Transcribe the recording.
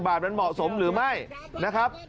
บาทมันเหมาะสมหรือไม่นะครับ